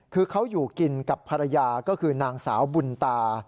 คือเขาอยู่กินกับภรรยาก็คือนางสาวบุญตา